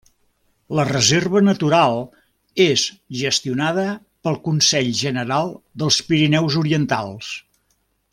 La reserva natural és gestionada pel Consell general dels Pirineus Orientals.